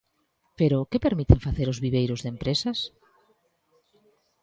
Pero, ¿que permiten facer os viveiros de empresas?